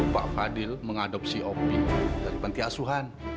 pak fadil mengadopsi opi dari panti asuhan